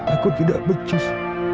aku tidak becus